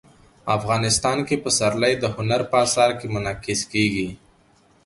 افغانستان کې پسرلی د هنر په اثار کې منعکس کېږي.